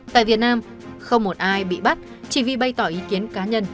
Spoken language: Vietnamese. tại việt nam không một ai bị bắt chỉ vì bày tỏ ý kiến cá nhân